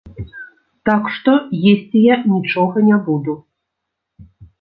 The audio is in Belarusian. Так што, есці я нічога не буду!